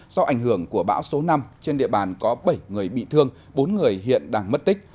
do ảnh hưởng của bão số năm trên địa bàn có bảy người bị thương bốn người hiện đang mất tích